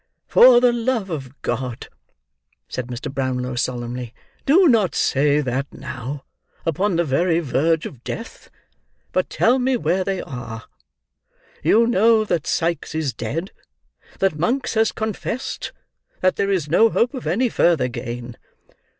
"For the love of God," said Mr. Brownlow solemnly, "do not say that now, upon the very verge of death; but tell me where they are. You know that Sikes is dead; that Monks has confessed; that there is no hope of any further gain.